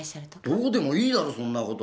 どうでもいいだろそんなこと！